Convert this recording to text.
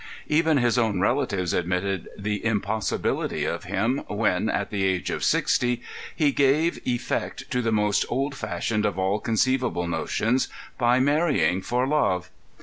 Even his own relatives admitted the impossibility of him when, at the age of sixty, he gave effect to the most old fashioned of all conceivable notions by marrying for love.